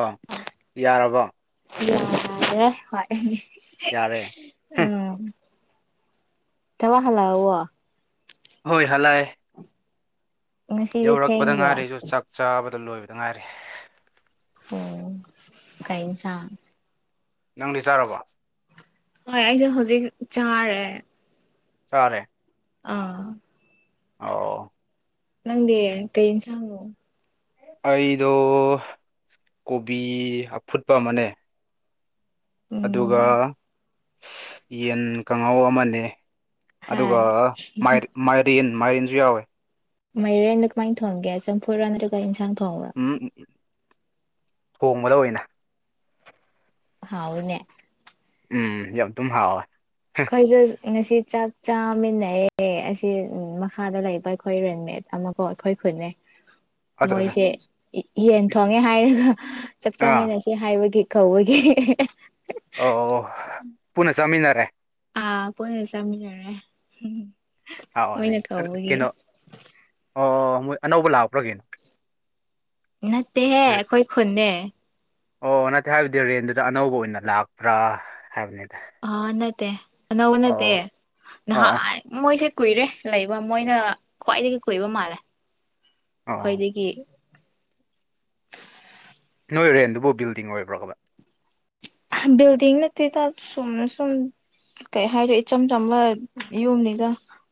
ꯑꯥ ꯌꯥꯔꯕꯣ꯫ ꯌꯥꯔꯦ ꯍꯣꯏ ꯫ ꯌꯥꯔꯦ ꯍꯦ ꯊꯕꯛ ꯍꯜꯂꯛꯑꯕꫭ ꯍꯣꯏ ꯍꯜꯂꯛꯑ ꯉꯁꯤꯗꯤ ꯌꯧꯔꯛꯄꯗ ꯉꯥꯏꯔꯤ ꯊꯦꯡꯕ꯭ꯔꯣ ꯑꯩꯁꯨ ꯆꯥꯛ ꯆꯥꯕꯗ ꯂꯣꯏꯕꯗ ꯉꯥꯏꯔꯤ ꯑꯣ ꯀꯩ ꯏꯟꯁꯥꯡ ꯅꯪꯗꯤ ꯆꯥꯔꯕꯣ꯫ ꯍꯣꯏ ꯑꯩꯁꯨ ꯍꯧꯖꯤꯛ ꯆꯥꯔꯦ꯫ ꯆꯥꯔꯦ ꯑꯥ ꯑꯣ ꯅꯪꯗꯤ ꯀꯩ ꯢꯟꯁꯥꯡꯅꯢ ꯑꯩꯗꯣ ꯀꯣꯕꯤ ꯑꯐꯨꯠꯄꯥ ꯑꯃꯅꯦ ꯑꯗꯨꯒ ꯎꯝ ꯌꯦꯟ ꯀꯥꯡꯍꯧ ꯑꯃꯅ° ꯫ ꯑꯗꯨꯒ ꯍꯥꯏ ꯃꯥꯏꯔꯦꯟ ꯃꯥꯏꯔꯦꯟꯁꯨ ꯌꯥꯎꯋꯦ ꯃꯥꯢꯔꯦꯟꯅ ꯀꯃꯥꯏꯅ ꯊꫭꯡꯒ° ꯆꯝꯐꯨꯠꯂꯥ ꯅꯠꯇꯔꯒ ꯢꯟ ꯎꯝꯝ ꯊꯣꯡꯕꯗ ꯑꯣꯏꯅ꯫ ꯍꯥꯎꯏꯅ ꯎꯝ ꯌꯥꯝꯗꯨꯝ ꯍꯥꯎꯦ ꯈꯩꯖ [inaudible] [unintelligible] ꯑꯩ ꯉꯁꯤ ꯆꯥꯛ ꯆꯥꯃꯤꯟꯅꯩꯑꯦ ꯑꯁꯤ ꯃꯈꯥꯗ ꯂꯩꯕ ꯑꯩꯈꯣꯏ ꯔꯦꯟꯃꯦꯠ ꯑꯃꯀꯣ ꯑꯩꯈꯣꯏꯒꯤ ꯈꯨꯟꯗꯒꯤ ꯑꯠꯆꯥ ꯑꯠꯆꯥ ꯃꯣꯏꯁꯦꯀꫭ ꯌꯦꯟ ꯊꯣꯡꯉꯦ ꯍꯥꯏꯔꯒ ꯆꯥꯍꯛ ꯑꯥ ꯆꯥꯃꯤꯟꯅꯁ ꯍꯥꯏꯕꯒꯤ ꯀꯧꯕꯒꯤ ꯑꯣ ꯑꫭ ꯄꯨꯟꯅ ꯆꯥꯃꯤꯟꯅꯔꯦ ꯑꯥ ꯄꯨꯟꯅ ꯆꯥꯃꯤꯟꯅꯔ ꯍꫭꯏ ꯀꯩꯅꯣ ꯑꯣ ꯑꯣ ꯃꯣꯏ ꯑꯅꯧꯕ ꯂꯥꯛꯄ꯭ꯔꯥ ꯀꯩꯅꯣ ꯅꯠꯇꯦꯍꯦ ꯑꯩꯈꯣꯏ ꯈꯨꯣꯟꯗꯒꯤꯅꯤ ꯑꯣ ꯑꫭ ꯅꯠꯇꯦ ꯍꯥꯏꯕꯗꯤ ꯔꯦꯟꯗꯨꯗ ꯑꯅꯧꯕ ꯑꯣꯏꯅ ꯂꯥꯛꯄ꯭ꯔꯥ ꯍꯥꯏꯕꯅꯤꯗꯥ? ꯑꫭ ꯑꫭ ꯅꯠꯇꯦ ꯑꯅꯧꯕ ꯅꯠꯇꯦ ꯑꯣ ꯑꯣ ꯃꯣꯏꯁ ꯀꯨꯏꯔꯦ ꯂꯩꯕ ꯃꯣꯏꯅ ꯈ꯭ꯋꯥꯏꯗꯒꯤ ꯀꯨꯏꯕ ꯃꯥꯜꯂꯦ ꯑꯣ ꯑꯩꯈꯣꯏꯗꯒꯤ꯫ ꯅꯣꯏ ꯔꯦꯟꯗꯨꯕꯨ ꯕꯤꯜꯗꯤꯡ ꯑꯣꯏꯕ꯭ꯔꯥ ꯕꯥ ꯕꯤꯗꯤꯡ ꯅꯠꯇꯗ ꯁꯨꯝꯅ ꯁꯨꯝ ꯀꯩ ꯍꯥꯏꯅꯤ ꯏꯆꯝ ꯆꯝꯕ ꯌꯨꯝꯅꯤꯗ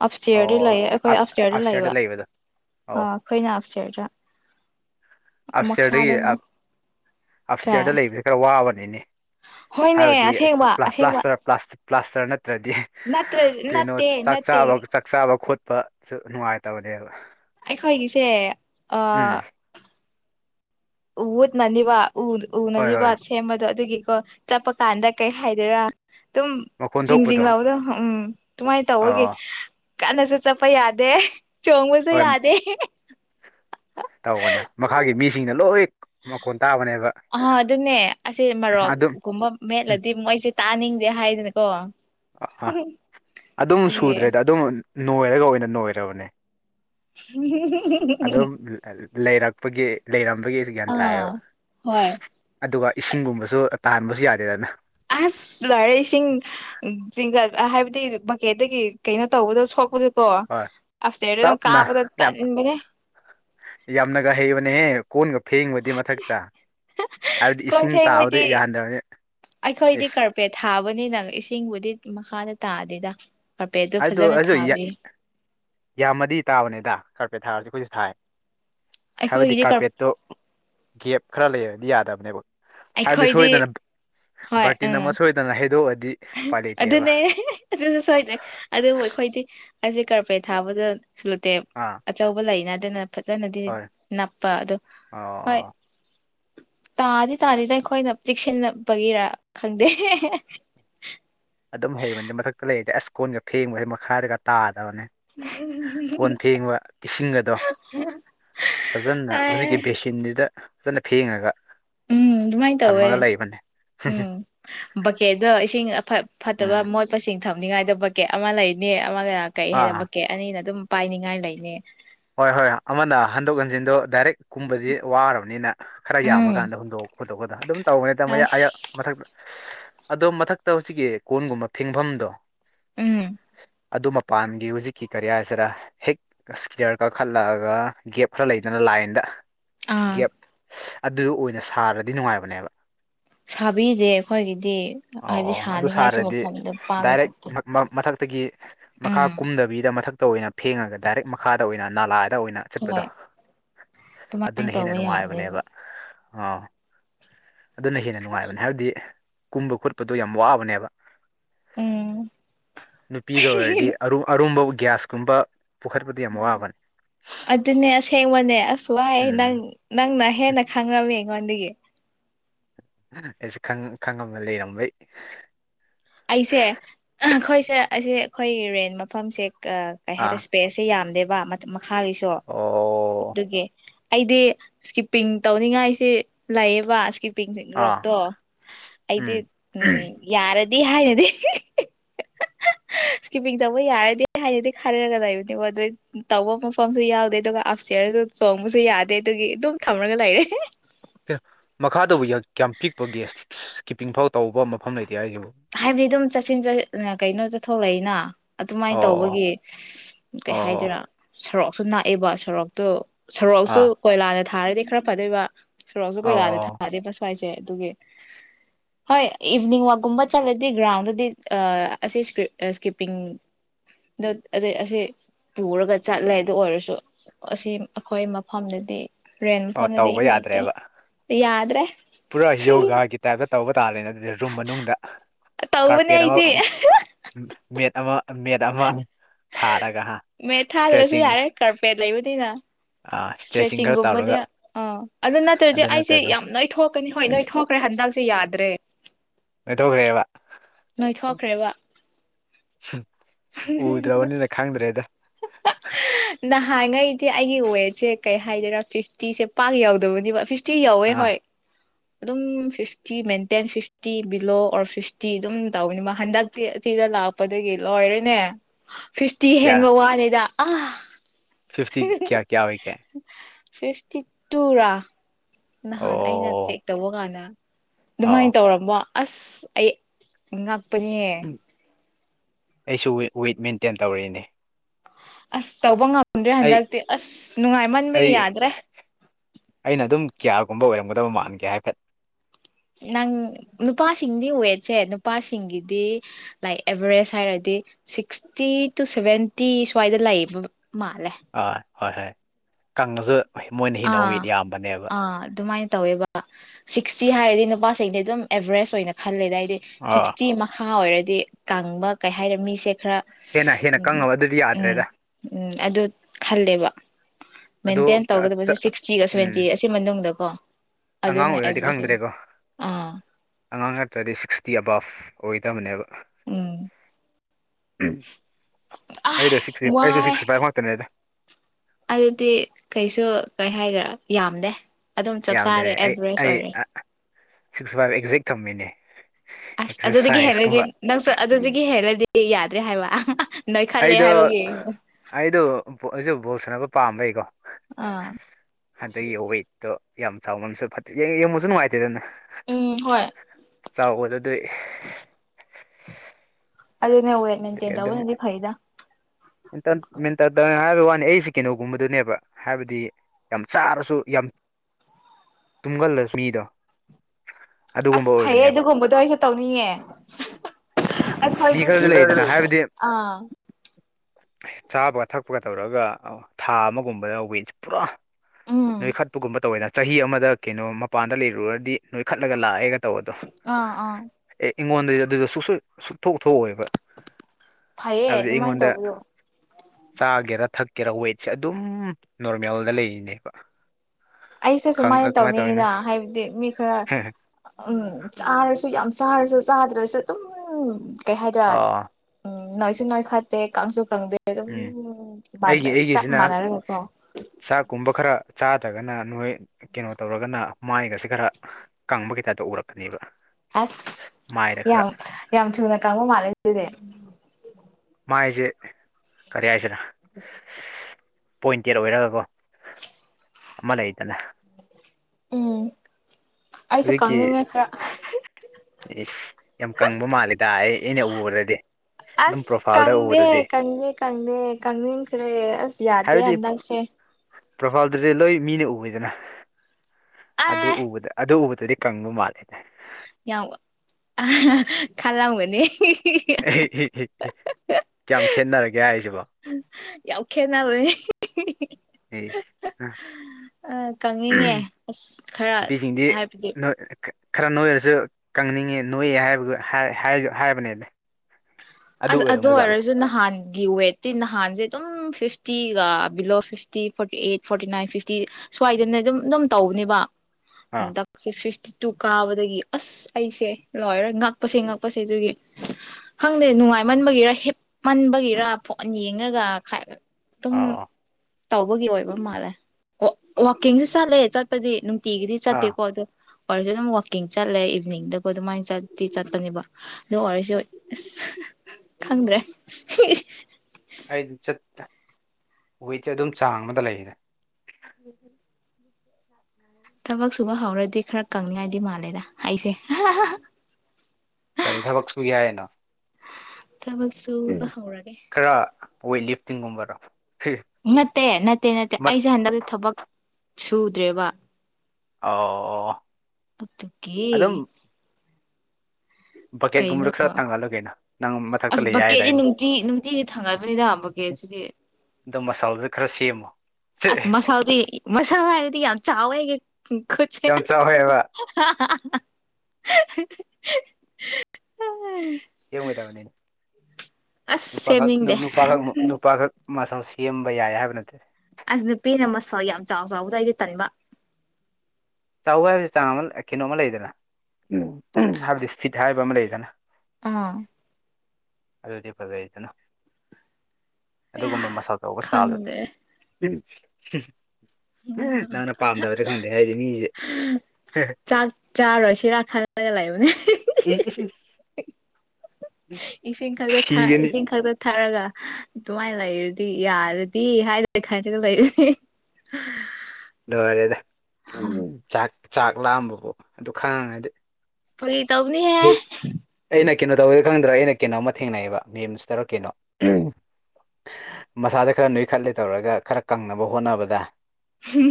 ꯑꯞ ꯏꯇꯌꯔꯗꯤ ꯑꯣ ꯂꯩꯌꯦ ꯑꯩꯈꯣꯏ ꯑꯞꯁꯌꯔꯗ ꯑꯞꯁꯇꯤꯌꯔꯗ ꯂꯩꯕ ꯂꯩꯕꯗꯣ ꯑꯥ ꯑꯣ ꯑꯩꯈꯣꯏꯅ ꯑꯞꯁꯤꯌꯔꯗ ꯂꯩ ꯑꯞꯁꯤꯔꯗꯒꯤ ꯑꯞꯁꯤꯔꯗꯥꯗ ꯂꯩꯕꯁꯤ ꯈꯔ ꯋꯥꯕꯅꯤꯅꯦ ꯍꫭꯏ ꯍꯥꯏꯕꯗꯤ ꯄ꯭ꯂꯥꯁꯇꯔ ꯄ꯭ꯂꯥꯁꯇꯔ ꯅꯠꯇ꯭ꯔꯗꯤ ꯅꯠꯇ꯭ꯔ ꯀꯩꯅꯣ ꯅꯠꯇꯦ ꯆꯥꯛ ꯅꯠꯇꯦ ꯆꯥꯕ ꯆꯥꯛ ꯆꯥꯕ ꯈꯣꯠꯄꯁꯨ ꯅꯨꯡꯉꯥꯏꯇꯕꯅꯦꯕ ꯑꯩꯈꯣꯏꯒꯤꯁꯦ ꯑ ꯎꯝ ꯎꯠ ꯅꯅꯤꯕ ꯎ ꯎ ꯍꯣꯏ ꯅꯅꯤꯕ ꯍꯣꯏ ꯁꯦꯝꯕꯗꯣ ꯑꯗꯨꯒꯤ ꯀꯣ ꯆꯠꯄ ꯀꯥꯟꯗ ꯀꯩ ꯍꯥꯏꯗꯣꯏꯔꯥ ꯑꯗꯨꯝ ꯃꯈꯣꯟ ꯖꯤꯡ ꯖꯤꯡ ꯊꯣꯛꯄꯗꯣ ꯂꯥꯎꯕꯗꯣ ꯎꯝ ꯎꯝ ꯑꯗꯨꯃꯥꯏꯅ ꯇꯧꯔꯒꯦ ꯑ ꯀꯥꯟꯅꯁꯨ ꯆꯠꯄ ꯌꯥꯗꯦ ꯆꯣꯡꯕꯁꯨ ꯍꯣꯏ ꯌꯥꯗꯦ ꯇꯧꯕꯅꯦ ꯃꯈꯥꯒꯤ ꯃꯤꯁꯤꯡꯅ ꯂꯣꯏ ꯃꯈꯣꯟ ꯇꯥꯕꯅꯦꯕ ꯑ ꯑꯗꯨꯅꯦ ꯑꯁꯤꯁꯦ ꯑꯗꯨꯝ ꯃꯔꯣꯛꯀꯨꯝꯕ ꯎꯝ ꯃꯦꯠꯂꯗꯤ ꯃꯨꯛ ꯑꯩꯁꯦ ꯇꯥꯅꯤꯡꯗꯦ ꯍꯥꯏꯗꯅꯀꯣ ꯑ ꯑꯥ ꯑꯗꯨꯝ ꯑꯗꯨꯒꯤ ꯁꯨꯗ꯭ꯔꯦꯗ ꯑꯗꯨꯝ ꯅꯣꯏꯔꯒ ꯑꯣꯏꯅ ꯅꯣꯏꯔꯕꯅꯦ ꯎꯝ ꯑꯗꯨꯝ ꯂꯩꯔꯛꯄꯒꯤ ꯂꯩꯔ ꯊꯝꯕꯒꯤꯁꯨ ꯒ꯭ꯌꯥꯟ ꯑꯥ ꯊꯥꯏꯌꯦꯕ ꯍꯣꯏ ꯑꯗꯨꯒ ꯏꯁꯤꯡꯒꯨꯝꯕꯁꯨ ꯇꯥꯍꯟꯥꯟꯕꯁꯨ ꯌꯥꯗꯦꯗꯅ ꯑꯁ ꯂꯥꯏꯔꯛ ꯏꯁꯤꯡ ꯆꯤꯡꯒꯠ ꯍꯥꯏꯕꯗꯤ ꯃꯀꯦꯠꯇꯒꯤ ꯀꯩꯅꯣ ꯇꯧꯕꯗꯣ ꯁꯣꯛꯄꯗ ꯍꯣꯏ ꯣꯐꯦꯝ ꯇꯞꯅ ꯀꯥꯄꯗ ꯌꯥꯝ ꯇꯅꯤꯕꯅꯦꯦ ꯌꯥꯝꯅꯒ ꯍꯩꯕꯅꯦꯍꯦ ꯀꯣꯟꯒ ꯐꯦꯡꯕꯗꯤ ꯃꯊꯛꯇ ꯍꯥꯏꯕꯗꯤ ꯀꯣꯟ ꯏꯁꯤꯡ ꯐꯦꯡꯕꯗꯤ ꯇꯥꯕꯗ ꯌꯥꯍꯟꯗꯕꯅꯤ ꯑꯩꯈꯣꯏꯗꯤ ꯏꯁ ꯀꯔꯄꯦꯠ ꯊꯥꯕꯅꯤ ꯅꯪ ꯏꯁꯤꯡꯕꯨꯗꯤ ꯃꯈꯥꯗ ꯇꯥꯗꯦꯗ ꯄꯄꯦ ꯑꯗꯨ ꯑꯗꯣ ꯐꯖꯅ ꯑꯗꯨ ꯊꯥꯕꯤ ꯌꯥꯝꯃꯗꯤ ꯇꯥꯕꯅꯤꯗ ꯀꯥꯔꯄꯦꯠ ꯊꯥꯔꯁꯨ ꯑꯩꯈꯣꯏꯁꯨ ꯊꯥꯏ ꯍꯥꯏꯕꯗꯤ ꯑꯩꯈꯣꯏꯒꯤꯗꯤ ꯀꯥꯔ ꯀꯥꯔꯄꯦꯠꯇꯣ ꯒꯦꯞ ꯈꯔ ꯂꯩꯔꯗꯤ ꯌꯥꯗꯕꯅꯦꯕ ꯍꯥꯏꯕꯗꯤ ꯑꯩꯈꯣꯏꯗꯤ ꯁꯣꯏꯗꯅ ꯍꯣꯏ ꯕꯥꯔꯇꯤꯟ ꯎꯝ ꯑꯃ ꯁꯣꯏꯗꯅ ꯍꯥꯏꯩꯗꯣꯛꯑꯗꯤ ꯑꯗꯨꯅꯦ ꯑꯗꯨꯁꯨ ꯁꯣꯏꯗ ꯑꯗꯨꯕꯨ ꯑꯩꯈꯣꯏꯗꯤ ꯑꯩꯁꯦ ꯀꯔꯄꯦꯠ ꯊꯥꯕꯗ ꯁꯨꯂꯨꯇꯦ ꯑꯥ ꯑꯆꯧꯕ ꯂꯩꯅꯗꯅ ꯐꯖꯅꯗꯤ ꯍꯣꯏ ꯅꯞꯄ ꯑꯗꯨ ꯑꯣ ꯍꯣꯏ ꯇꯥꯗꯤ ꯇꯥꯗꯤꯗ ꯑꯩꯈꯣꯏꯅ ꯆꯦꯛꯁꯤꯟꯅꯕꯒꯤꯔ ꯈꯪꯗꯦ ꯑꯗꯨꯝ ꯍꯩꯕꯗꯤ ꯃꯊꯛꯇ ꯂꯩꯔꯗꯤ ꯑꯁ ꯀꯣꯟꯒ ꯐꯦꯡꯕꯁꯦ ꯃꯈꯥꯔꯒ ꯇꯥꯗ ꯇꯅꯦ ꯍꯣꯟ ꯐꯦꯡꯕ ꯏꯁꯤꯡ ꯑꯗꯣ ꯐꯖꯅ ꯍꯧꯖꯤꯛꯀꯤ ꯕꯦꯁꯤꯟꯁꯤꯗ ꯐꯖꯅ ꯐꯦꯡꯉꯒ ꯎꯝ ꯑꯗꯨꯃꯥꯏꯅ ꯇꯧꯋꯦ ꯊꯝꯃꯒ ꯂꯩꯕꯅꯦ ꯎꯝ ꯕꯛꯀꯦꯗ ꯏꯁꯤꯡ ꯎꯝ ꯐꯠꯇꯕ ꯃꯣꯠꯄꯁꯤꯡ ꯊꯝꯅꯤꯡꯉꯥꯏꯗ ꯕꯀꯦꯠ ꯑꯃ ꯂꯩꯅꯦ ꯑꯃꯒ ꯀꯛꯩ ꯍꯥꯏ ꯑꯥ ꯕꯀꯦꯠ ꯑꯅꯤꯅ ꯑꯗꯨꯝ ꯄꯥꯏꯅꯤꯡꯉꯥꯏ ꯂꯩꯅꯤ ꯐꯖꯤꯤꯟꯗꯣ ꯗꯥꯏꯔꯦꯛ ꯀꯨꯝꯕꯗꯤ ꯋꯥꯔꯕꯅꯤꯅ ꯈꯔ ꯎꯝ ꯌꯥꯝꯃꯀꯥꯟꯗ ꯍꯨꯟꯗꯣꯛ ꯈꯣꯠꯇꯣꯛꯄꯗꯣ ꯑꯗꯨꯝ ꯇꯧꯕꯅꯦꯗ ꯑ ꯑꯁ ꯃꯊ ꯑꯗꯣ ꯃꯊꯛꯇ ꯍꯧꯖꯤꯛꯀꯤ ꯀꯣꯟꯒꯨꯝꯕ ꯐꯦꯡꯐꯝꯗꯣ ꯎꯝ ꯑꯗꯨ ꯃꯄꯥꯟꯒꯤ ꯍꯧꯨꯖꯤꯛꯀꯤ ꯀꯦꯔꯤꯌꯥꯔꯁꯤꯗ ꯍꯦꯛ ꯆꯤꯌꯔ ꯀꯛꯈꯠꯂꯛꯑꯒ ꯒꯦꯞ ꯈꯔ ꯂꯩꯗꯅ ꯂꯥꯏꯟꯗ ꯑꯥ ꯒꯦꯞ ꯑꯗꯨꯗ ꯑꯣꯏꯅ ꯁꯥꯔꯗꯤ ꯅꯨꯡꯉꯥꯏꯕꯅꯦꯕ ꯁꯥꯕꯤꯁꯦ ꯑꯩꯈꯣꯏꯒꯤꯗꯤ ꯑꯣ ꯍꯥꯏꯕꯗꯤ ꯑꯣ ꯑꯗꯨ ꯁꯥꯅꯤꯡꯉꯥꯏꯁꯨ ꯁꯥꯔꯗꯤ ꯃꯐꯝꯗ ꯄꯥꯡ ꯗꯥꯏꯔꯦꯛ ꯃꯊꯛꯇꯒꯤ ꯃꯈꯥ ꯎꯝ ꯀꯨꯝꯗꯕ ꯀꯕꯤꯗ ꯃꯊꯛꯇ ꯑꯣꯏꯅ ꯐꯦꯡꯉꯒ ꯗꯥꯏꯔꯦꯛ ꯃꯈꯥꯗ ꯑꯣꯏꯅ ꯅꯥꯂꯛꯑ ꯑꯗ ꯑꯣꯏꯅ ꯆꯠꯄꯗꯣ ꯍꯣꯏ ꯑꯗꯨꯅ ꯑꯗꯨꯃꯥꯏꯅ ꯍꯦꯟꯅ ꯇꯧꯕ ꯌꯥꯕꯅꯦꯕ ꯅꯨꯡꯉꯥꯏꯕꯅꯦꯕ ꯑꯥ ꯑꯗꯨꯅ ꯍꯦꯟꯅ ꯅꯨꯡꯉꯥꯏꯕꯅꯦ ꯍꯥꯏꯕꯗꯤ ꯀꯨꯝꯕ ꯈꯣꯠꯄꯗꯣ ꯌꯥꯝ ꯋꯥꯕꯅꯦꯕ ꯎꯝ ꯅꯨꯄꯤꯒ ꯑꯣꯏꯔꯗꯤ ꯑꯔꯨꯝꯕ ꯒ꯭ꯌꯥꯁꯀꯨꯝꯕ ꯄꯨꯈꯠꯄꯗꯤ ꯌꯥꯝ ꯋꯥꯕꯅꯦ ꯑꯗꯨ ꯑꯗꯨꯅꯦꯁ ꯊꯦꯡꯕꯅꯦ ꯑꯁ ꯋꯥꯏ ꯅꯪ ꯎꯝ ꯅꯪꯅ ꯍꯦꯟꯅ ꯈꯪꯉꯝꯃꯤ ꯑꯩꯉꯣꯟꯗꯒꯤ ꯑꯩꯁ ꯈꯪꯝꯅ ꯂꯩꯔꯝꯕꯩ ꯑꯩꯁꯦ ꯑꯩꯈꯣꯏꯁꯦ ꯑꯁꯤꯁꯦ ꯑꯩꯈꯣꯏ ꯔꯦꯟ ꯃꯐꯝꯁꯦ ꯀꯩ ꯑꯥ ꯍꯥꯏꯔ ꯏꯁꯄꯦꯁꯁꯦ ꯌꯥꯝꯗꯦꯕ ꯃꯈꯥꯒꯤꯁꯨ ꯑꯣ ꯑꯗꯨꯒꯤ ꯑꯩꯗꯤ ꯏꯁꯀꯤꯞꯄꯤꯡ ꯇꯧꯅꯤꯡꯉꯥꯏꯁꯤꯦ ꯂꯩꯑꯕ ꯑꯥ ꯄꯣꯛꯇꯣ ꯑꯩꯗꯤ ꯎꯝ ꯎꯝ ꯌꯥꯔꯗꯤ ꯗꯤꯗꯤ ꯍꯥꯏꯗꯤ ꯏꯁꯀꯤꯞꯄꯤꯡ ꯇꯧꯕ ꯌꯥꯔꯗꯤꯦ ꯍꯥꯏꯅꯗꯤ ꯈꯅꯔꯒ ꯂꯩꯕꯅꯦꯕ ꯑꯗꯨ ꯇꯧꯕ ꯃꯐꯝꯁꯨ ꯌꯥꯎꯗꯦ ꯑꯗꯨꯒ ꯑꯞꯁꯤꯌꯔ ꯁꯣꯡꯒꯕꯨꯁꯦ ꯌꯥꯗꯦꯒꯤ ꯑꯗꯨꯝ ꯊꯝꯔꯒ ꯂꯥꯏꯔꯦ ꯃꯈꯥꯗꯕꯨ ꯌꯥꯝ ꯄꯤꯛꯄꯒꯤꯀꯤꯤꯞꯄꯤꯡ ꯐꯥꯎ ꯇꯧꯕ ꯃꯐꯝ ꯂꯩ ꯍꯥꯏꯕꯗꯤ ꯑꯗꯨꯝ ꯆꯠꯁꯤꯟ ꯀꯩꯅꯣ ꯆꯠꯊꯂꯛꯏꯅ ꯑꯗꯨꯃꯥꯏꯅ ꯑꯣ ꯇꯧꯕꯒꯤ ꯀꯩ ꯑꯣ ꯍꯥꯏꯗꯣꯏꯔꯥ ꯁꯣꯔꯣꯛꯁꯨ ꯅꯛꯑꯦꯕ ꯁꯣꯔꯣꯛꯇꯣ ꯑꯣ ꯁꯣꯔꯣꯛꯁꯨ ꯑꯥ ꯀꯣꯏꯂꯥꯅ ꯊꯥꯔꯗꯤ ꯈꯔ ꯐꯗꯣꯏꯕ ꯁꯣꯔꯣꯛꯁꯨ ꯀꯣꯏꯂꯥꯅ ꯑꯣ ꯊꯥꯗꯦ ꯃꯁ꯭ꯋꯥꯏꯁ ꯍ ꯆꯂꯦꯗꯤ ꯭ꯔꯥꯎꯟꯗꯗꯤ ꯑ ꯑꯁꯤ ꯁꯀꯤꯄꯤꯡ ꯗ ꯑꯗꯦ ꯑꯁꯤꯦ ꯇꯨꯔꯒ ꯆꯠꯂꯦ ꯑꯗꯨ ꯑꯣꯏꯔꯁꯨ ꯑꯁꯤ ꯑꯩꯈꯣꯏ ꯃꯐꯝꯗꯗꯤ ꯔꯦꯟ ꯑꯣ ꯐꯣꯟꯅꯗꯤ ꯇꯧꯕ ꯂꯩꯇꯦ ꯌꯥꯗ꯭ꯔꯦꯕ ꯌꯥꯗ꯭ꯔꯦ ꯄꯨꯔꯥ ꯌꯣꯒꯥꯒꯤ ꯇꯥꯏꯞꯇ ꯇꯧꯕ ꯇꯥꯔꯦꯅꯦ ꯑꯗꯨꯗꯤ ꯔꯨꯝ ꯃꯅꯨꯡꯗ ꯇꯧꯕꯅꯦ ꯀꯥꯔꯄꯦꯠ ꯑꯃ ꯑꯩꯗꯤ ꯃꯦꯠ ꯑꯃ ꯃꯦꯠ ꯑꯃ ꯊꯥꯔꯒ ꯍꯥ ꯃꯦ ꯊꯥꯗ꯭ꯔꯁꯨ ꯏꯁꯇ꯭ꯔꯦꯆꯤꯡ ꯌꯥꯔꯦ ꯀꯔꯐꯦꯠ ꯂꯩꯕꯅꯤꯅ ꯑꯥ ꯏꯁꯇ꯭ꯔꯦꯆꯤꯡ ꯈꯔ ꯏꯁꯇ꯭ꯔꯦꯆꯤꯡꯒꯨꯝꯕꯗꯤ ꯇꯧꯔꯒ ꯑꯥ ꯑꯗꯨ ꯅꯠꯇ꯭ꯔꯗꯤ ꯑꯗꯨ ꯑꯩꯁꯦ ꯅꯠꯇꯕ ꯌꯥꯝꯅ ꯑꯩ ꯊꯣꯛꯀꯅꯤ ꯍꯣꯏ ꯅꯣꯏ ꯊꯣꯛꯈ꯭ꯔꯦ ꯍꯟꯗꯛꯁꯦ ꯌꯥꯗ꯭ꯔꯦ ꯇꯧꯈ꯭ꯔꯦꯕ ꯅꯣꯏꯊꯣꯛꯈ꯭ꯔꯦꯕ ꯎꯎꯗ꯭ꯔ ꯑꯣꯅꯤꯗ ꯈꯪꯗ꯭ꯔꯦꯗ ꯅ ꯍꯥꯡꯉ ꯏꯗꯤꯦ ꯑꯩ ꯑꯩꯒꯤ ꯋꯦꯠꯁꯦ ꯀꯩ ꯍꯥꯏꯗꯣꯏꯔꯥ ꯐꯤꯐꯇꯤꯁꯦ ꯄꯥꯛ ꯌꯥꯎꯗꯕꯅꯦꯕ ꯐꯤꯐꯇꯤ ꯌꯥꯧꯋꯦ ꯑꯥ ꯍꯣꯏ ꯑꯗꯨꯝ fifty maintain fifty below or fifty ꯑꯗꯨꯝ ꯇꯧꯅꯤ ꯃꯥ ꯍꯟꯗꯛꯇꯤ ꯑꯗ ꯂꯥꯛꯄꯗꯒꯤ ꯂꯣꯏꯔꯦꯅꯦ ꯐꯤꯐꯇꯤ ꯍꯦꯟꯕ ꯋꯥꯅꯤꯗ ꯑꯥ ꯁꯐꯇꯤ ꯀꯌꯥ ꯀꯌꯥ ꯑꯣꯏꯀꯦ ꯐꯤꯐꯇꯤ ꯇꯨꯔꯥ ꯅꯍꯥꯟ ꯑꯩꯅ ꯑꯣ ꯆꯦꯛ ꯇꯧꯕ ꯀꯥꯟꯗ ꯑꯣ ꯑꯗꯨꯃꯥꯏꯅ ꯇꯧꯔꯝꯕꯣ ꯑꯁ ꯑꯩ ꯉꯛꯄꯅꯦ ꯑꯩꯁꯨ ꯋꯤꯠ ꯃꯦꯟꯇꯦꯟ ꯇꯧꯔꯛꯏꯅꯦ ꯑꯁ ꯇꯧꯕꯉ ꯈꯪꯗ꯭ꯔꯦ ꯍꯟꯗꯛꯇꯤ ꯑꯁ ꯅꯨꯡꯉꯥꯏꯃꯟꯕꯒꯤ ꯑꯩ ꯌꯥꯗ꯭ꯔꯦ ꯄꯨꯝꯕ ꯑꯣꯏꯔꯝꯒꯗꯕ ꯃꯥꯟꯒꯦ ꯍꯥꯏꯐꯦꯠ ꯅꯪ ꯅꯨꯄꯥꯁꯤꯡꯗꯤ ꯋꯦꯠꯁꯦ ꯅꯨꯄꯥꯁꯤꯡꯒꯤꯗꯤ ꯂꯥꯏꯛ ꯑꯦꯚꯔꯦꯁ ꯍꯥꯏꯔꯗꯤ ꯁꯤꯛꯁꯇꯤ ꯇꯨ ꯁꯚꯦꯟꯇꯤ ꯁ꯭ꯋꯥꯏꯗ ꯂꯩꯌꯦꯕ ꯑꯥ ꯍꯣꯏ ꯍꯣꯏ ꯀꯥꯡꯅꯁꯨ ꯑꯥ ꯑꯥ ꯑꯗꯨꯃꯥꯏꯅ ꯇꯧꯋꯦꯕ ꯁꯤꯛꯁꯇꯤ ꯍꯥꯏꯔꯗꯤ ꯅꯨꯄꯥꯁꯤꯡꯗꯤ ꯑꯗꯨꯝ ꯑꯦꯚꯔꯦꯁ ꯑꯣꯏꯅ ꯈꯜꯂꯦꯗ ꯍꯥꯏꯏꯗꯤ ꯑꯥ ꯁꯤꯛꯁꯇꯤ ꯃꯈꯥ ꯑꯣꯏꯔꯗꯤ ꯀꯥꯡꯕ ꯀꯩ ꯍꯥꯏꯔ ꯃꯤꯁꯦ ꯈꯔ ꯍꯦꯟꯅ ꯍꯦꯟꯅ ꯎꯝ ꯀꯪꯉꯕ ꯑꯗꯨꯗꯤ ꯎꯝ ꯌꯥꯗ꯭ꯔꯦꯗ ꯎꯝ ꯑꯗꯨ ꯈꯜꯂꯦꯕ ꯑꯗꯣ ꯃꯦꯟꯇꯦꯟ ꯇꯧꯒꯗꯕꯁꯦ ꯁꯤꯛꯁꯇꯤꯒ ꯁꯚꯦꯟꯇꯤ ꯎꯝ ꯑꯁꯤ ꯃꯅꯨꯡꯗ ꯀꯣ ꯑꯉꯥꯡ ꯑꯣꯏꯔꯗꯤ ꯈꯪꯗ꯭ꯔꯦꯀꯣ ꯑꯥ ꯑꯉꯥꯡ ꯅꯠꯇ꯭ꯔꯗꯤ ꯁꯤꯛꯁ ꯇꯤ ꯑꯕꯥꯞ ꯑꯣꯏꯗꯕꯅꯦꯕ ꯎꯝ ꯎꯝ ꯑ ꯋꯥꯏ ꯉꯥꯛꯇꯅꯦꯗ ꯑꯗꯨꯗꯤ ꯀꯩꯁꯨ ꯀꯩ ꯍꯥꯏꯗꯦꯔꯥ ꯌꯥꯝꯗꯦ ꯑꯗꯨꯝ ꯆꯞ ꯆꯥꯔꯦ ꯑꯦꯚꯔꯦꯁ ꯑꯣꯏꯔꯦ ꯁꯤꯛꯁ ꯐꯥꯏꯚ ꯑꯦꯛꯖꯦꯛ ꯊꯝꯃꯤꯅꯦ ꯑꯁ ꯑꯗꯨꯗꯒꯤ ꯍꯦꯂꯗꯤ ꯑꯦꯛꯁꯔꯁꯥꯏꯁꯀꯨꯝꯕ ꯅꯪꯁꯨ ꯑꯗꯨꯗꯒꯤ ꯍꯦꯜꯂꯗꯤ ꯌꯥꯗ꯭ꯔꯦ ꯍꯥꯏꯕ ꯅꯣꯏꯈꯠꯂꯦ ꯑꯩꯗꯣ ꯍꯥꯏꯕꯒꯤ ꯑꯩꯗꯣ ꯑꯩꯁꯨ ꯕꯣꯛ ꯁꯅꯕ ꯄꯥꯝꯕꯩꯀꯣ ꯑꯥ ꯑꯟꯗ ꯋꯦꯠꯇꯣ ꯌꯥꯝ ꯆꯥꯎꯅꯁꯨ ꯐꯠꯇꯦ ꯌꯦꯡꯕꯨꯁꯨ ꯅꯨꯡꯉꯥꯏꯇꯦꯗꯅ ꯎꯝ ꯍꯣꯏ ꯆꯥꯎꯕ ꯑꯗꯨ ꯑꯗꯨ ꯑꯗꯨꯗ ꯅ ꯑꯣꯏꯅꯇꯦ ꯇ ꯅꯪꯗꯤ ꯐꯥꯏꯗ ꯇ ꯍꯥꯏꯕ ꯋꯥꯅꯤ ꯑꯩꯁꯤꯦ ꯀꯩꯅꯣꯒꯨꯝꯕꯗꯨꯅꯦꯕ ꯍꯥꯏꯕꯗꯤ ꯌꯥꯝ ꯆꯥꯔꯁꯨ ꯌꯥꯝ [unintelligible] ꯇꯨꯝꯨꯡꯒꯜꯂꯁ ꯃꯤꯗ ꯑꯁ ꯐꯩꯌꯦ ꯑꯗꯨꯒꯨꯝꯕꯗꯣ ꯑꯩꯁꯨ ꯇꯧꯅꯤꯡꯉꯦ ꯃꯤ ꯈꯔꯁꯨ ꯂꯩꯗꯅ ꯍꯥꯏꯕꯗꯤ ꯑꯥ ꯆꯥꯕꯒ ꯊꯛꯄꯒ ꯇꯧꯔꯒ ꯊꯥ ꯑꯃꯒꯨꯝꯕꯗ ꯋꯦꯠꯁ ꯄꯨꯔꯥ ꯎꯝ ꯅꯣꯏꯈꯠꯄꯒꯨꯝꯕ ꯇꯧꯋꯦꯅ ꯆꯍꯤ ꯑꯃꯗ ꯀꯩꯅꯣ ꯃꯄꯥꯟꯗ ꯂꯩꯔꯨꯔꯗꯤ ꯅꯣꯏꯈꯠꯂꯒ ꯂꯥꯛꯑꯦꯒ ꯑꯥ ꯑꯥ ꯏꯪꯉꯣꯟꯗꯗꯤ ꯑꯗꯨ ꯊꯣꯛꯊꯣꯛꯑꯣꯏꯕ ꯐꯩꯌꯦ ꯍꯥꯏꯕꯗꯤ ꯑꯗꯨꯃꯥꯏꯅ ꯑꯩꯉꯣꯟꯗ ꯇꯧꯕꯗꯣ ꯆꯥꯒꯦꯔ ꯊꯛꯀꯦꯔꯥ ꯋꯦꯠꯁꯦ ꯑꯗꯨꯝ ꯅꯣꯔꯃꯦꯜꯗ ꯂꯩꯔꯤꯅꯦꯕ ꯑꯩꯁꯨ ꯈꯪ ꯁꯨꯃꯥꯏꯅ ꯀꯃꯥꯏꯅ ꯇꯧꯋꯤꯅꯣ ꯇꯧꯅꯤꯡꯉꯤꯗ ꯍꯥꯏꯕꯗꯤ ꯃꯤ ꯈꯔ ꯎꯝ ꯆꯥꯔꯁꯨ ꯌꯥꯝ ꯆꯥꯔꯁꯨ ꯆꯥꯗ ꯑꯗꯨꯁꯨ ꯑꯗꯨꯝ ꯀꯩ ꯍꯥꯏꯗꯔꯦ ꯑꯥ ꯎꯝ ꯅꯣꯏꯁꯨ ꯅꯣꯏ ꯈꯥꯠꯇꯦ ꯀꯥꯡꯁꯨ ꯈꯪꯗꯦ ꯑꯗꯨꯝ ꯎꯝ ꯑꯩꯒꯤ ꯆꯞ ꯑꯩꯒꯤꯁꯤꯅ ꯃꯥꯟꯅꯔꯒꯀꯣ ꯆꯥꯛꯀꯨꯝꯕ ꯈꯔ ꯆꯥꯗ꯭ꯔꯒꯅ ꯅꯣꯏ ꯀꯩꯅꯣ ꯇꯧꯔꯒꯅ ꯃꯥꯏꯒꯁꯦ ꯈꯔ ꯀꯪꯕꯒꯤ ꯇꯥꯏꯞꯇ ꯎꯔꯛꯀꯅꯦꯕ ꯑꯁ ꯃꯥꯏꯗ ꯈꯔ ꯌꯥꯝ ꯌꯥꯝ ꯆꯤꯡꯅ ꯀ ꯑꯃ ꯃꯥꯂꯗꯦ ꯃꯥꯏꯁꯦ ꯀꯔꯤ ꯍꯥꯏꯁꯤꯔ ꯄꯣꯏꯟꯇꯦꯠ ꯑꯣꯏꯔꯒꯀꯣ ꯑꯃ ꯂꯩꯗꯅ ꯎꯝ ꯑꯩꯁꯨ ꯈꯪꯅꯤꯡꯉꯦ ꯈꯔ ꯏꯁꯁ ꯌꯥꯝ ꯀꯪꯕ ꯃꯥꯜꯂꯦꯗ ꯑꯩ ꯑꯩꯅ ꯎꯕꯗꯗꯤ ꯑꯗꯨꯝ ꯑꯁ ꯄ꯭ꯔꯣꯐꯥꯏꯜꯗ ꯀꯪꯗꯦ ꯎꯕꯗꯗꯤ ꯀꯪꯗꯦ ꯀꯪꯗꯦ ꯀꯪꯅꯤꯡꯈ꯭ꯔꯦ ꯑꯁ ꯌꯥꯗꯦ ꯍꯟꯗꯛꯁꯦ [unintelligible] ꯄ꯭ꯔꯣꯐꯥꯜꯗꯨꯁꯨꯦ ꯂꯣꯏ ꯃꯤꯅ ꯎꯕꯗꯅ ꯑꯗꯨ ꯑꯦ ꯎꯕꯗ ꯑꯗꯨ ꯑꯗꯨꯗꯤ ꯀꯪꯕ ꯃꯥꯜꯂꯦꯅꯦ ꯌꯥꯝ ꯈꯜꯂꯝꯒꯅꯤ ꯀꯌꯥꯝ ꯈꯦꯠꯅꯔꯒꯦ ꯍꯥꯏꯁꯤꯕꯣ ꯌꯥꯝ ꯈꯦꯠꯅꯕꯅꯦ ꯍꯁ ꯑ ꯑ ꯀꯪꯅꯤꯡꯉꯦ ꯑꯁ ꯈꯔ ꯅꯨꯄꯤꯁꯤꯡꯗꯤ ꯍꯥꯏꯕꯗꯤ ꯈꯔ ꯅꯣꯏꯔꯁꯨ ꯀꯪꯅꯤꯡꯉꯦ ꯅꯣꯏꯑ ꯍꯥꯏꯕꯗꯨ ꯍꯥꯏꯕꯅꯦꯅꯦ ꯑꯁ ꯑꯗꯨ ꯑꯣꯏꯔꯁꯨ ꯅꯍꯥꯟꯒꯤ ꯋꯦꯠꯇꯤ ꯅꯍꯥꯟꯁꯦ ꯑꯗꯨꯝ ꯐꯤꯐꯇꯤꯒ below fifty forty eight forty nine fifty ꯁ꯭ꯋꯥꯏꯗꯅ ꯑꯗꯨꯝ ꯑꯗꯨꯝ ꯇꯧꯕꯅꯦꯕ ꯑꯥ ꯍꯟꯗꯛꯁꯤ ꯐꯤꯐ ꯇꯨ ꯀꯥꯕꯗꯒꯤ ꯑꯁ ꯑꯩꯁꯦ ꯂꯣꯏꯔ ꯉꯛꯄꯁꯦ ꯉꯛꯄꯁꯦ ꯑꯗꯨꯒꯤ ꯈꯪꯗꯦ ꯅꯨꯡꯉꯥꯏꯃꯟꯕꯒꯤꯔ ꯍꯦꯞꯃꯟꯕꯒꯤꯔ ꯐꯣꯟꯟ ꯌꯦꯡꯉꯒ ꯈ ꯑꯗꯨꯝ ꯑꯥ ꯇꯧꯕꯒꯤ ꯑꯣꯏꯕ ꯃꯥꯜꯂꯦ ꯋꯥꯋꯥꯛꯀꯤꯡꯁꯨ ꯆꯠꯂꯦ ꯆꯠꯄꯗꯤ ꯇꯤꯒꯗꯤ ꯑꯥ ꯆꯇꯦꯀꯣ ꯑꯗꯨꯣ ꯑꯣꯏꯔꯁꯨ ꯑꯗꯨꯝ ꯋꯥꯛꯀꯤꯡ ꯆꯠꯂꯦ ꯏꯚꯤꯅꯤꯡꯗꯀ ꯑꯗꯨꯃꯥꯏꯅ ꯆꯠꯇꯤ ꯆꯠꯄꯅꯦꯕ ꯑꯗꯨ ꯑꯣꯏꯔꯁꯨ ꯑꯁ ꯈꯪꯗ꯭ꯔꯦ ꯑꯩꯗꯤ ꯆ ꯋꯤꯠꯁꯦ ꯑꯗꯨꯝ ꯆꯥꯡ ꯑꯃꯗ ꯂꯩꯔꯦ ꯊꯕꯛ ꯁꯨꯕ ꯍꯧꯔꯗꯤ ꯈꯔ ꯀꯪꯅꯤꯉꯥꯏꯗꯤ ꯃꯥꯜꯂꯦꯗ ꯑꯩꯁꯦ ꯀꯔꯤ ꯊꯕꯛꯁꯨ ꯌꯥꯏꯅ ꯆꯕꯜꯁꯨꯣꯕ ꯍꯧꯔꯒꯦ ꯑꯣꯏ ꯂꯤꯐꯇꯤꯤꯡꯒꯨꯝꯕ꯭ꯔꯣ ꯅꯠꯇꯦ ꯅꯠꯇꯦ ꯅꯠꯇꯦ ꯑꯩꯁꯦ ꯍꯟꯗꯛꯇꯤ ꯊꯕꯛ ꯁꯨꯗ꯭ꯔꯦꯕ ꯑꯣ ꯑꯣ ꯎꯠꯇꯀꯤ ꯀꯩꯅꯣ ꯕꯛꯀꯦꯠꯀꯨꯝꯕꯗꯣ ꯈꯔ ꯊꯥꯡꯒꯠꯂꯨ ꯀꯩꯅꯣ ꯅꯪ ꯃꯊꯛꯇ ꯑꯁ ꯂꯩ ꯕꯛꯀꯦꯠꯗꯤ ꯍꯥꯏꯗꯥꯏꯅꯦ ꯅꯨꯡꯇꯤ ꯅꯨꯡꯇꯤꯒꯤ ꯊꯥꯡꯒꯕꯅꯤꯗ ꯕꯛꯀꯦꯠ ꯁꯤ ꯑꯗꯨꯗꯣ ꯃꯁꯥꯜꯗꯣ ꯈꯔ ꯁꯦꯝꯃꯣ ꯁꯦ ꯑꯁ ꯃꯁꯥꯥꯎꯗ ꯃꯁꯥꯂ ꯍꯥꯏꯗꯤ ꯌꯥꯝ ꯆꯥꯋ ꯍꯥꯏꯒꯦ ꯌꯥꯝ ꯆꯥꯎꯋꯦꯕ [unintelligible] ꯎꯝ ꯁꯦꯝꯒꯗꯕꯅꯤꯅꯦ ꯑꯁ ꯅꯨꯄꯥꯈꯛ ꯁꯦꯝꯅꯤꯡꯗꯦ ꯅꯨꯄꯥꯈꯛ ꯅꯨꯄꯥꯈꯛ ꯃꯥꯁꯁꯤ ꯏꯕ ꯌꯥꯏ ꯍꯥꯏꯕ ꯅꯠꯇ꯭ꯔꯦ ꯑꯁ ꯅꯨꯄꯤꯅ ꯃꯁꯛ ꯌꯥꯝ ꯆꯥꯎ ꯆꯥꯎꯕꯗ ꯑꯩꯗꯤ ꯇꯟꯕ ꯆꯥꯎ ꯍꯥꯏꯕꯕꯁꯤ ꯆꯥꯡ ꯑꯃ ꯀꯩꯅꯣ ꯑꯃ ꯂꯩꯗꯅ ꯎ ꯍꯥꯏꯕꯗꯤ ꯐꯤꯠ ꯍꯥꯏꯕ ꯑꯃ ꯂꯩꯗꯅ ꯑꯥ ꯑꯗꯨꯗꯤ ꯐꯖꯩꯗꯅꯣ ꯑꯗꯨꯒꯨꯝꯕ ꯃꯁꯥ ꯇꯧꯕ ꯏꯁꯇꯥꯏꯜꯗꯨꯗꯤ ꯈꯪꯗ꯭ꯔꯦ ꯅꯪꯅ ꯄꯥꯝꯗꯕꯗꯤ ꯈꯪꯗꯦ ꯍꯥꯏꯗꯤ ꯃꯤꯁꯦ ꯆꯥꯛ ꯆꯥꯔꯁꯤꯔꯥ ꯈꯅꯒꯂꯕꯅꯦ ꯏ ꯏꯁꯤꯡ ꯈꯛꯇ ꯏꯁꯤꯡ ꯈꯛꯇ ꯊꯥꯔꯒ ꯑꯗꯨꯃꯥꯏꯅ ꯂꯩꯔꯗꯤ ꯌꯥꯔꯗꯤ ꯍꯥꯏꯔꯦ ꯈꯥꯏꯔꯒ ꯂꯩꯔꯨꯅꯤ ꯂꯣꯏꯔꯦꯗ ꯎꯥꯛ ꯆꯥꯛ ꯂꯥꯛꯑꯝꯕꯕꯨꯣ ꯑꯗꯨ ꯈꯪꯉꯗꯤ ꯑꯩꯣꯏ ꯇꯕꯨꯅꯤ ꯍꯦ ꯍꯥꯏ ꯑꯩꯅ ꯀꯩꯅꯣ ꯇꯧꯒꯦ ꯈꯪꯗ꯭ꯔꯥ ꯑꯩꯅ ꯀꯩꯅꯣꯝ ꯊꯦꯡꯅꯩꯕ ꯃꯦꯝꯁꯇꯔ ꯀꯩꯅꯣ ꯃꯁꯥꯗ ꯈꯔ ꯅꯣꯏꯈꯠꯂꯦ ꯇꯧꯔꯒ ꯈꯔ ꯀꯪꯅꯕ ꯍꯣꯠꯅꯕꯗ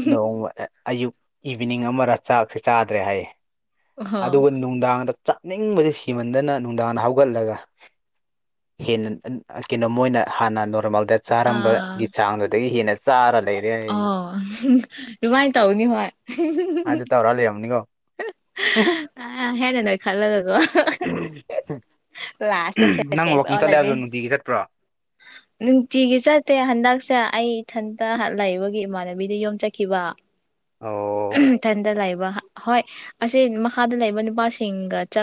ꯅꯣꯡꯃ ꯑꯌꯨꯛ ꯏꯚꯤꯅꯤꯡ ꯑꯃꯔ ꯆꯥꯛꯁꯦ ꯆꯥꯗ꯭ꯔꯦ ꯍꯥꯏꯌꯦ ꯑꯣ ꯑꯗꯨꯒ ꯅꯨꯡꯗꯥꯡꯗ ꯆꯥꯅꯤꯡꯕꯁ ꯁꯤꯃꯟꯗꯅ ꯅꯨꯡꯗꯥꯡꯗ ꯍꯧꯒꯠꯂꯒ ꯍꯦꯟꯅ ꯀꯩꯅꯣ ꯃꯣꯏꯅ ꯍꯥꯟꯅ ꯅꯣꯔꯃꯦꯜ ꯗ ꯑꯥ ꯆꯥꯔꯝꯕꯒꯤ ꯆꯥꯡꯗꯨꯗꯒꯤ ꯍꯦꯟꯅ ꯆꯥꯔ ꯂꯩꯔꯦ ꯍꯥꯏꯁꯦ ꯑꯣ ꯑꯗꯨꯃꯥꯏꯅ ꯇꯧꯅꯤ ꯍꯣꯏ ꯑꯗꯨ ꯇꯧꯔ ꯂꯩꯔꯝꯅꯤꯀꯣ ꯑ ꯍꯦꯅꯦ ꯅꯣꯏ ꯈꯜꯂꯒ ꯑꯗꯨ ꯂꯥꯁꯁꯦ ꯅꯪ ꯋꯥꯛꯀꯤꯡ ꯆꯠꯂꯦ ꯇꯂꯗꯤ ꯍꯥꯏꯕꯗꯣ ꯅꯨꯡꯇꯤꯒꯤ ꯆꯠꯄ꯭ꯔꯣ ꯆꯤꯒꯤ ꯆ ꯑꯇꯦ ꯍꯟꯒꯁ ꯏꯊꯟꯇ ꯂ ꯂꯩꯕꯒꯤ ꯏꯃꯥꯟꯅꯕꯤꯗ ꯌꯣꯝꯆꯈꯤꯕ ꯑꯣ ꯏꯊꯟꯇ ꯂꯕ ꯍꯣꯏ ꯑꯁꯤ ꯃꯈꯗ ꯂꯩꯕ ꯅꯨꯄꯥꯁꯤꯡꯒ ꯆ